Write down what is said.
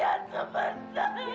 aku mau buka sendiri